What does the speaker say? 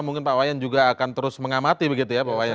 mungkin pak wayan juga akan terus mengamati begitu ya pak wayan